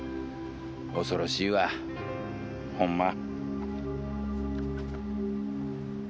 恐ろしいわほんま。